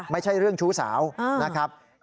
ไม่ใช่เรื่องชู้สาวนะครับ